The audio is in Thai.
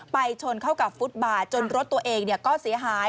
ชนเข้ากับฟุตบาทจนรถตัวเองก็เสียหาย